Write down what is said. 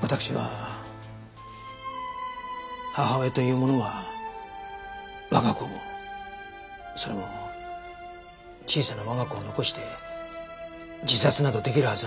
私は母親というものは我が子をそれも小さな我が子を残して自殺などできるはずはない。